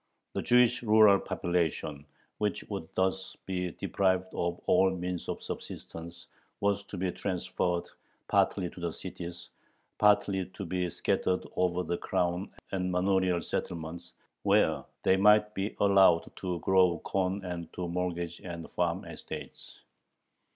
The Jewish rural population, which would thus be deprived of all means of subsistence, was to be transferred partly to the cities, partly "to be scattered over the crown and manorial settlements, where they might be allowed to grow corn and to mortgage and farm estates."